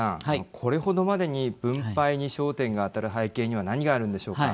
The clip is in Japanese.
これほどまでに分配に焦点が当たる背景には何があるのでしょうか。